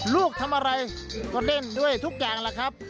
ลูกทำอะไรก็เล่นด้วยทุกอย่างแหละครับ